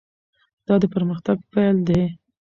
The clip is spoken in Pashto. دا د پرمختګ پیل دی.